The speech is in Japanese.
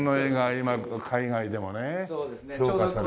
今海外でもね評価されてね。